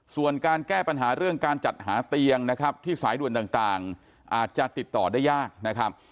ส่วนการแก้ปัญหาเรื่องการจัดหาเตียงนะครับที่สายด่วนต่างอาจจะติดต่อได้ยากนะครับ